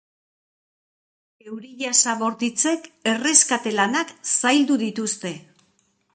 Euri-jasa bortitzek erreskate lanak zaildu dituzte.